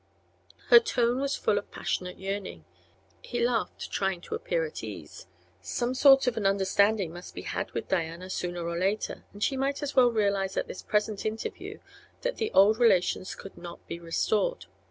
Her tone was full of passionate yearning. He laughed, trying to appear at ease. Some sort of an understanding must be had with Diana sooner or later, and she might as well realize at this present interview that the old relations could not be restored.